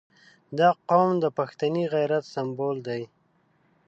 • دا قوم د پښتني غیرت سمبول دی.